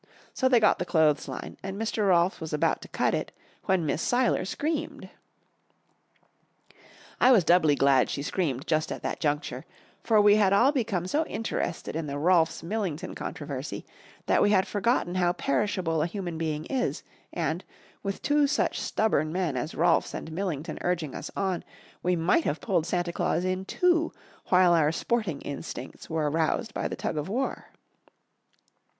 So they got the clothesline, and Mr. Rolfs was about to cut it, when Miss Seiler screamed. I was doubly glad she screamed just at that juncture, for we had all become so interested in the Rolfs Millington controversy that we had forgotten how perishable a human being is, and, with two such stubborn men as Rolfs and Millington urging us on, we might have pulled Santa Claus in two while our sporting instincts were aroused by the tug of war.